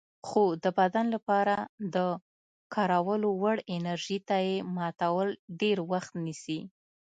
خو د بدن لپاره د کارولو وړ انرژي ته یې ماتول ډېر وخت نیسي.